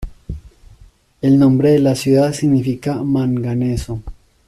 El nombre de la ciudad significa manganeso.